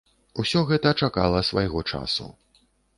Усё гэта чакала свайго часу.